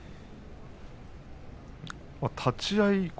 立ち合い